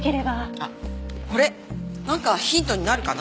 あっこれなんかヒントになるかな。